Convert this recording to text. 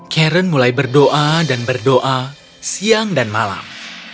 karen mulai berdoa dan berdoa siang dan malam